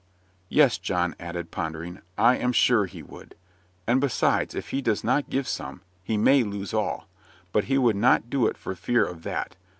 "Yes," John added, pondering "I am sure he would. And besides, if he does not give some, he may lose all. But he would not do it for fear of that.